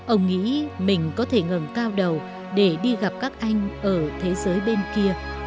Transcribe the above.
ông nghĩ mình có thể ngừng cao đầu để đi gặp các anh ở thế giới bên kia